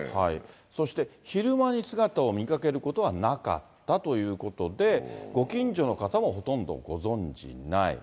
そして、昼間に姿を見かけることはなかったということで、ご近所の方もほとんどご存じない。